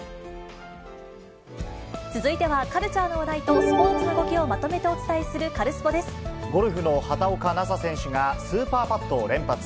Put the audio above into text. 続いては、カルチャーの話題とスポーツの動きをまとめてお伝えするカルスポゴルフの畑岡奈紗選手が、スーパーパットを連発。